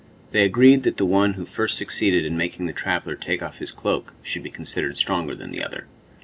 They agreed that the one who first succeeded in making the traveler take his cloak off should be considered stronger than the other.